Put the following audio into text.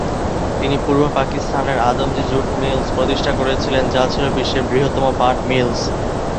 তিনি পূর্ব পাকিস্তানের Adamjee jute mills প্রতিষ্ঠা করেছিলেন যা ছিল বিশ্বের বৃহত্তম পাট মিলস।